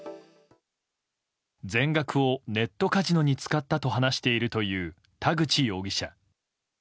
全額をネットカジノに使ったと話しているという田口容疑者。